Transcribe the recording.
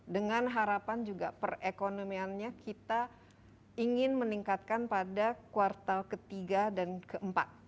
dengan harapan juga perekonomiannya kita ingin meningkatkan pada kuartal ketiga dan keempat